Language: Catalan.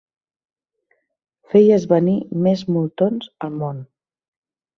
Feies venir més moltons al món.